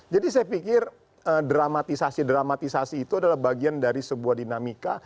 jadi saya pikir dramatisasi dramatisasi itu adalah bagian dari sebuah dinamika